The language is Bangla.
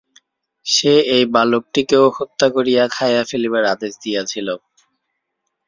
সে এই বালকটিকেও হত্যা করিয়া খাইয়া ফেলিবার আদেশ দিয়াছিল।